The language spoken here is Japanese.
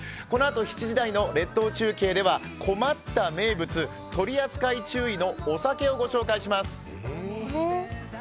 このあと７時台の列島中継では困った名物、取扱注意のお酒をご紹介します。